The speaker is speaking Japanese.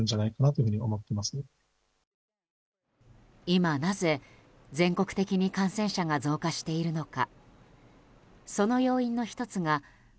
今なぜ、全国的に感染者が増加しているのか。